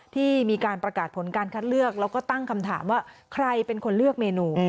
ที่มีการประกาศผลการคัดเลือกแล้วก็ตั้งคำถามว่าใครเป็นคนเลือกเมนู